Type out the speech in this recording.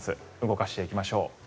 動かしていきましょう。